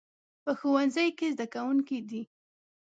په ښوونځي کې زده کوونکي دي